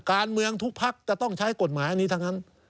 การเมืองทุกภักดิ์จะต้องใช้กฎหมายอันนี้ทั้งนั้น